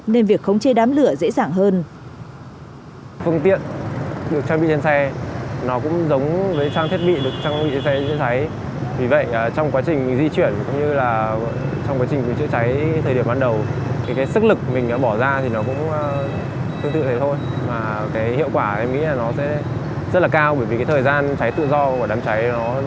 về việc phòng cháy chữa cháy